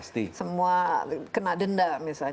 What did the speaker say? semua kena denda